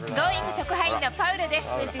特派員のパウラです。